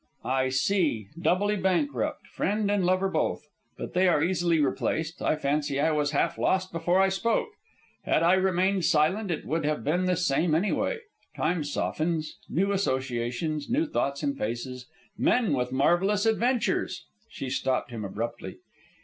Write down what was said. "I see; doubly bankrupt; friend and lover both. But they are easily replaced. I fancy I was half lost before I spoke. Had I remained silent, it would have been the same anyway. Time softens; new associations, new thoughts and faces; men with marvellous adventures " She stopped him abruptly.